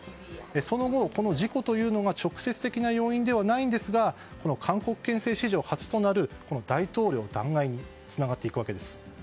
その後、この事故というのが直接的要因ではないんですが韓国憲政史上初となる大統領弾劾につながっていくわけです。